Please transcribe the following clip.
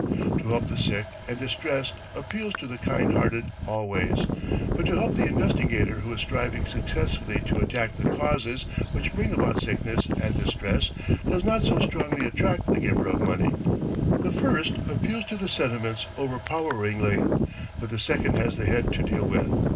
To help the sick and distressed appeals to the kind hearted always, but to help the investigator who is striving successfully to attack the causes which bring about sickness and distress does not so strongly attract the giver of money. The first appeals to the sentiments overpoweringly, but the second has the head to deal with.